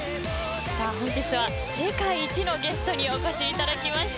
本日は、世界一のゲストにお越しいただきました。